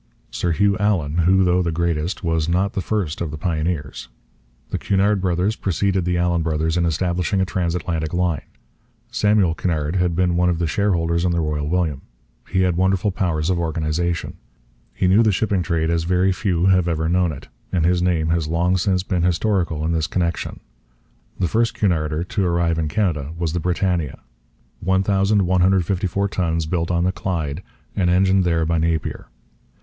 Sir Hugh Allan, who, though the greatest, was not the first of the pioneers. The Cunard brothers preceded the Allan brothers in establishing a transatlantic line. Samuel Cunard had been one of the shareholders in the Royal William. He had wonderful powers of organization. He knew the shipping trade as very few have ever known it; and his name has long since become historical in this connection. The first 'Cunarder' to arrive in Canada was the Britannia, 1154 tons, built on the Clyde, and engined there by Napier.